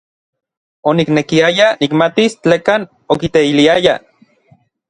Oniknekiaya nikmatis tlekan okiteiliayaj.